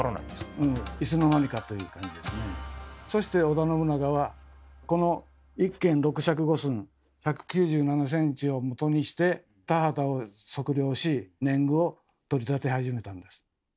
そして織田信長はこの１間６尺５寸１９７ｃｍをもとにして田畑を測量し年貢をとりたて始めたんです。